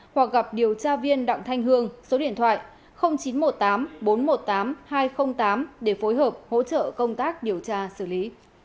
số điện thoại chín trăm một mươi tám bốn trăm một mươi tám hai trăm linh tám để phối hợp hỗ trợ công tác điều tra xử lý